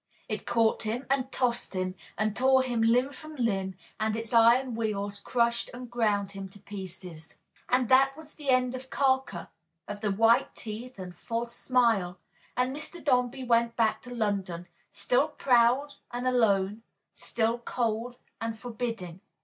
It caught him, and tossed him, and tore him limb from limb, and its iron wheels crushed and ground him to pieces. And that was the end of Carker, of the white teeth and false smile, and Mr. Dombey went back to London, still proud and alone, still cold and forbidding.